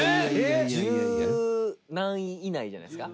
十何位以内じゃないですか？